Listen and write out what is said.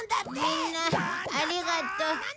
みんなありがとう。